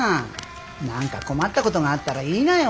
何か困ったことがあったら言いなよ。